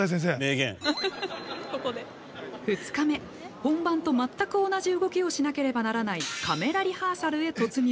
本番と全く同じ動きをしなければならないカメラリハーサルへ突入。